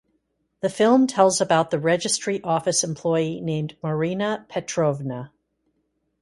The film tells about the registry office employee named Marina Petrovna.